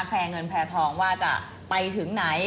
แพร่เงินแพร่ทองว่าจะไปถึงไหน